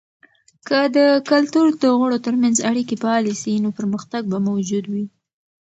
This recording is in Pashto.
که د کلتور د غړو ترمنځ اړیکې فعاله سي، نو پرمختګ به موجود وي.